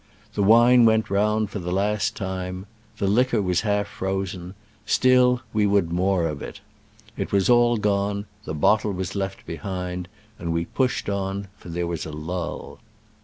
The wine went round for the last time. The liquor was half frozen — still we would more of it. It was all gone : the botde was left behind, and we pushed on, for there was a lull.